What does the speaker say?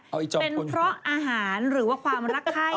เอาเป็นเพราะอาหารหรือว่าความรักไข้